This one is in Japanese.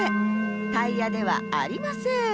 タイヤではありません。